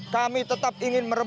kami tetap ingin merebut